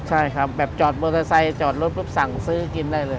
ใช่ครับแบบจอดมอเตอร์ไซค์จอดรถปุ๊บสั่งซื้อกินได้เลย